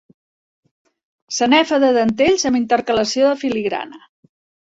Sanefa de dentells amb intercalació de filigrana.